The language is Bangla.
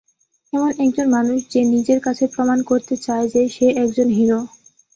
এমন একজন মানুষ যে নিজের কাছে প্রমাণ করতে চায় যে সে একজন হিরো।